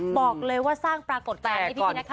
บอกเลยว่าสร้างปรากฎภัณฑ์ให้พี่พี่นักทายตลอด